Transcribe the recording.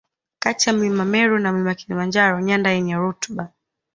Kati ya mlima Meru na Mlima Kilimanjaro nyanda yenye rutuba